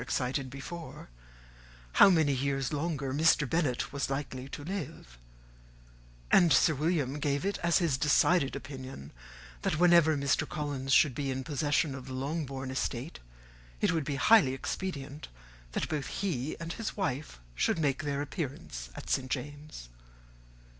_]] excited before, how many years longer Mr. Bennet was likely to live; and Sir William gave it as his decided opinion, that whenever Mr. Collins should be in possession of the Longbourn estate, it would be highly expedient that both he and his wife should make their appearance at St. James's.